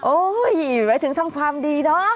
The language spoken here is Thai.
อุ้ยไว้ถึงทำความดีเนาะ